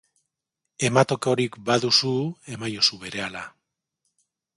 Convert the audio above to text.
Ematekorik baduzu, emaiozu berehala.